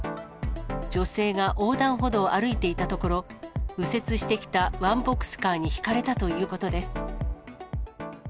女性が横断歩道を歩いていたところ、右折してきたワンボックスカーにひかれたということです。